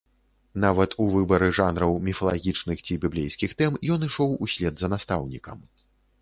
Нават у выбары жанраў, міфалагічных ці біблейскіх тэм ён ішоў услед за настаўнікам.